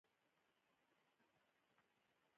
دویم څپرکی په دې ډول پیل کیږي.